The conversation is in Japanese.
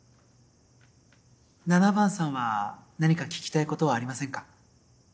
７番さんは何か聞きたいことはありませんか。